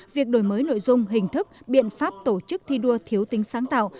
việc đổi mới nội dung hình thức biện pháp tổ chức thi đua thiếu tính sáng tạo